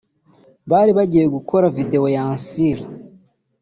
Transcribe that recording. Bari bagiye gukora video ya Ancilla